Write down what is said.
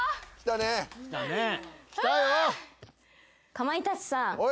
かまいたちさん